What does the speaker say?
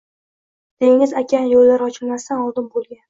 Dengiz, okean yoʻllari ochilmasdan oldin bo’lgan.